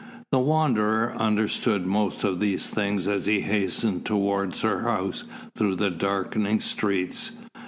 The Wanderer understood most of these things as he hastened towards her house through the darkening streets.